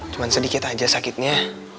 cuman sedikit aja sakitnya